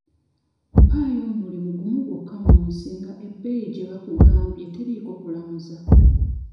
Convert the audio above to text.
Mpaayo omulimu gumu gwokka mu nsi nga ebbeeyi gye bakugambye teriiko kulamuza.